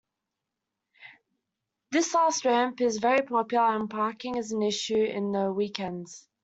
This last ramp is very popular and parking is an issue in the weekends.